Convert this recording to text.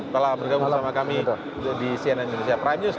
telah bergabung sama kami di cnn indonesia prime news